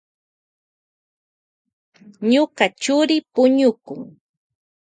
Ñuka churi puñukun.